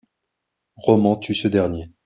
Roman tue ce dernier.